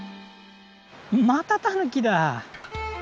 またタヌキだ！